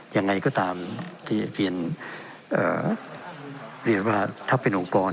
ยังไงก็ตามที่เรียนเรียนว่าถ้าเป็นองค์กร